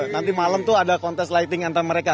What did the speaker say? nanti malam tuh ada kontes lighting antar mereka